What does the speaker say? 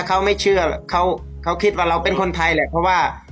เขาไม่เชื่อเขาคิดว่าเราเป็นคนไทยแหละเพราะว่า